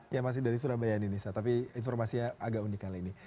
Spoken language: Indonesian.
ya masih dari surabaya di nisa tapi informasinya agak unik kali ini